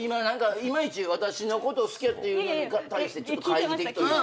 いまいち私のこと好きやっていうのに対してちょっと懐疑的というか。